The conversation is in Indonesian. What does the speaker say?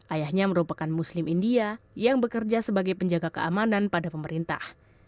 ayahnya merupakan muslim india yang bekerja sebagai penjaga keamanan pada pemerintah